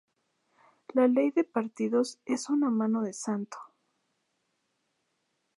La Ley de Partidos es mano de santo.